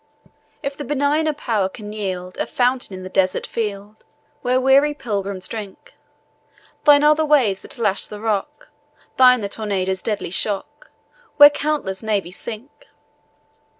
If the Benigner Power can yield A fountain in the desert field, Where weary pilgrims drink; Thine are the waves that lash the rock, Thine the tornado's deadly shock, Where countless navies sink!